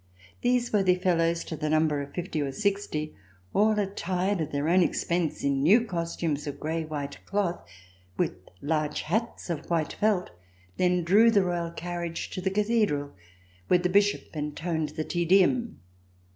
These worthy fellows, to the number of fifty or sixty, all attired at their own expense In new costumes of gray white cloth, with large hats of white felt, then drew the Royal carriage to the Cathedral where the Bishop C389] RECOLLECTIONS OF THE REVOLUTION entoned the Te Deum.